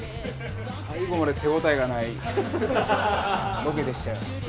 最後まで手応えがないロケでしたよ。